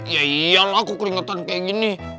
ya iyalah aku keringetan kayak gini